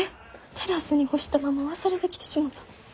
テラスに干したまま忘れてきてしもた。